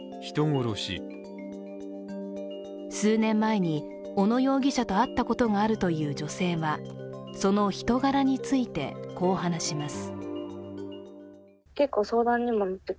数年前に、小野容疑者と会ったことがあるという女性はその人柄について、こう話します。